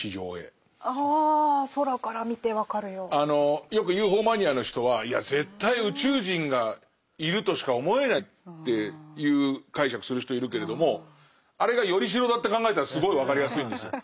よくＵＦＯマニアの人はいや絶対宇宙人がいるとしか思えないっていう解釈する人いるけれどもあれが依代だって考えたらすごい分かりやすいんですよ。